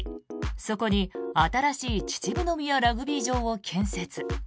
そこに新しい秩父宮ラグビー場を建設。